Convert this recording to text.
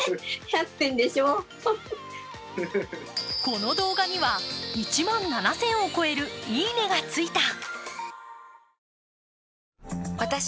この動画には１万７０００を超えるいいねがついた。